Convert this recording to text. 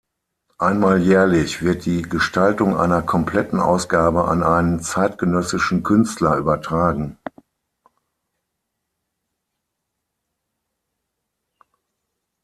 Einmal jährlich wird die Gestaltung einer kompletten Ausgabe an einen zeitgenössischen Künstler übertragen.